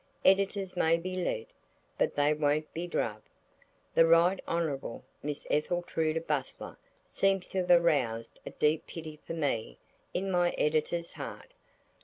Editors may be led, but they won't be druv. The Right Honourable Miss Etheltruda Bustler seems to have aroused a deep pity for me in my Editor's heart.